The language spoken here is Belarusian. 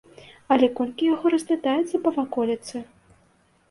Але колькі яго разлятаецца па ваколіцы!